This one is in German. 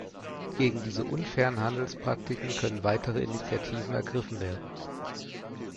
Gegen diese unfairen Handelspraktiken können weitere Initiativen ergriffen werden.